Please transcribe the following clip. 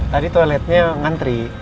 tadi toiletnya ngantri